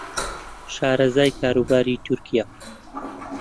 شارەزای کاروباری تورکیا